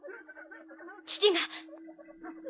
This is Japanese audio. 父が。